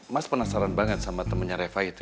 mas penasaran banget sama temennya reva itu